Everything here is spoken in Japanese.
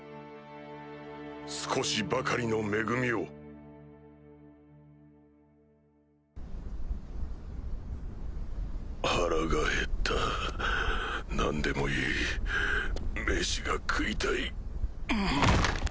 少しばかりの恵みを腹がへった何でもいい飯が食いたいうぅ！